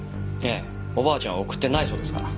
ええおばあちゃんは送ってないそうですから。